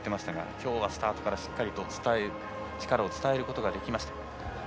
今日はスタートからしっかり力を伝えることができました。